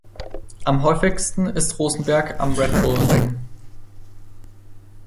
Am häufigsten ist Rosenberg am Red Bull Ring.